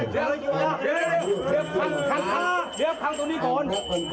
ขัดทะเดี๋ยวครั้งตรงนี้ก่อน